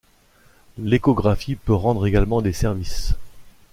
L'échographie peut rendre également des services.